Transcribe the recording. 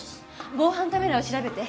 防犯カメラを調べて。